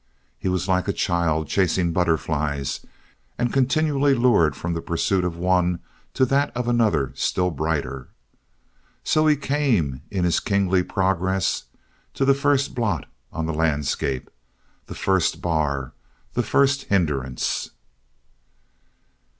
He was like a child chasing butterflies and continually lured from the pursuit of one to that of another still brighter. So he came in his kingly progress to the first blot on the landscape, the first bar, the first hindrance.